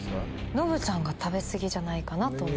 ノブさんが食べ過ぎじゃないかなと。